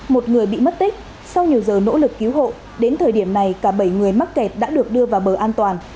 một người bị mất tích sau nhiều giờ nỗ lực cứu hộ đến thời điểm này cả bảy người mắc kẹt đã được đưa vào bờ an toàn